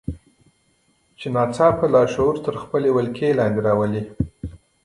چې ناببره لاشعور تر خپلې ولکې لاندې راولي.